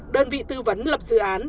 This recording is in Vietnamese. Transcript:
đơn vị tư vấn lập dự án